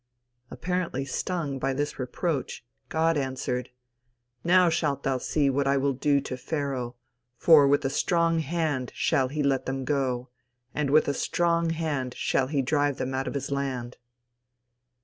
Apparently stung by this reproach, God answered: "Now shalt thou see what I will do to Pharoah; for with a strong hand shall he let them go; and with a strong hand shall he drive them out of his land."